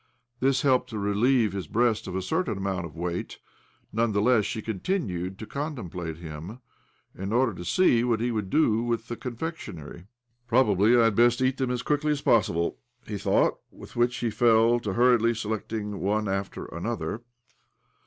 This helpieid to relieve his breast of a certain amount of weight. None the less she continued to contemplate him, in order to see what he would do with the confectionery. " Probably I had best eat thjem' as quickly as possible," he thought ; with which hie fell to hurriedly selecting one after another.